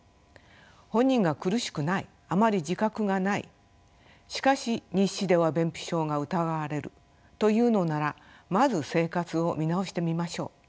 本人が苦しくないあまり自覚がないしかし日誌では便秘症が疑われるというのならまず生活を見直してみましょう。